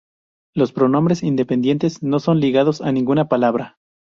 Los pronombres independientes no son ligados a ninguna palabra.